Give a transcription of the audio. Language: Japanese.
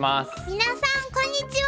皆さんこんにちは。